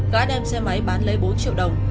gã đem xe máy bán lấy bốn triệu đồng